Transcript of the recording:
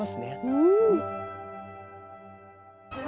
うん。